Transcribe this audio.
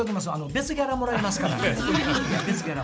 別ギャラもらいますから。